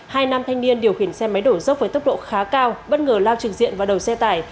hai nam thanh niên điều khiển xe máy đổ dốc với tốc độ khá cao bất ngờ lao trực diện vào đầu xe tải